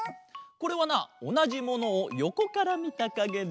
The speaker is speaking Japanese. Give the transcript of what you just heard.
これはなおなじものをよこからみたかげだ。